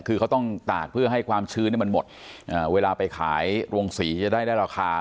คือเขาต้องตากเพื่อให้ความชื้นมันหมดเวลาไปขายโรงสีจะได้ราคา